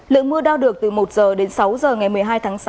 lượng mưa đau được từ một giờ đến sáu giờ ngày một mươi hai tháng sáu